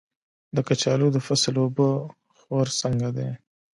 د کچالو د فصل اوبه خور څنګه دی؟